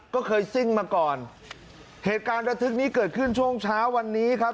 ก็เคยซิ่งมาก่อนเหตุการณ์ระทึกนี้เกิดขึ้นช่วงเช้าวันนี้ครับ